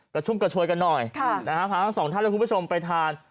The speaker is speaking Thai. ชุ่มกระชวยกันหน่อยพาทั้งสองท่านและคุณผู้ชมไปทาน